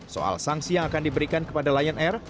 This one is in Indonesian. soal sanksi yang akan diberikan kepada lion air